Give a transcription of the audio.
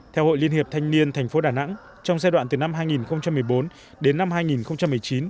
theo hội liên hiệp thanh niên tp đà nẵng trong giai đoạn từ năm hai nghìn một mươi bốn đến năm hai nghìn một mươi chín